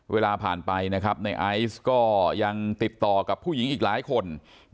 เวลาผ่านไปในไอซ์ก็ยังติดต่อกับผู้หญิงอีกหลายคน